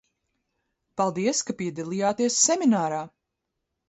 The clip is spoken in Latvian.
Paldies, ka piedalījies seminārā.